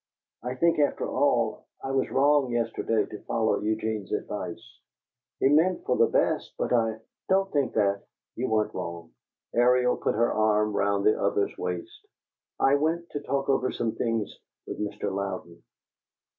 I think, after all, I was wrong yesterday to follow Eugene's advice. He meant for the best, but I " "Don't think that. You weren't wrong." Ariel put her arm round the other's waist. "I went to talk over some things with Mr. Louden."